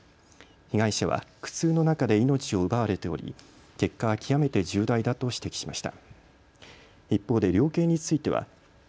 被害者は苦痛の中で命を奪われており結果は極めて重大だと指摘しました。